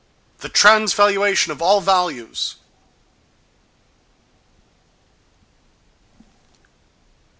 —The transvaluation of all values!...